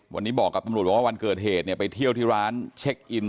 วันนี้บอกกับตำรวจบอกว่าวันเกิดเหตุเนี่ยไปเที่ยวที่ร้านเช็คอิน